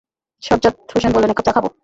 সজ্জাদ হোসেন বললেন, এক কাপ চা খাব।